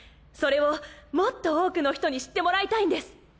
それをもっと多くの人に知ってもらいたいんです。